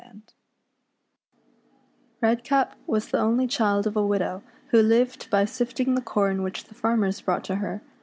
MM ^^EDCAP was the only child of a widow who Hved by sifting the corn which the farmers brought to her.